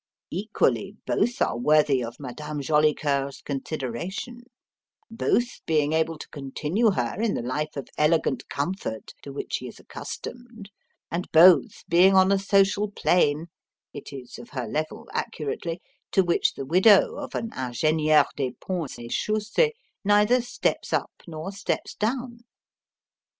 Equally, both are worthy of Madame Jolicoeur's consideration: both being able to continue her in the life of elegant comfort to which she is accustomed; and both being on a social plane it is of her level accurately to which the widow of an ingénieur des ponts et chaussées neither steps up nor steps down.